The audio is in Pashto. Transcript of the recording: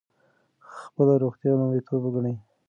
خپله روغتیا لومړیتوب وګڼئ.